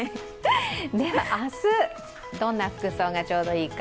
明日、どんな服装がちょうどいいか